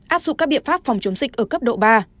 áp dụng các biện pháp phòng chống dịch ở cấp độ ba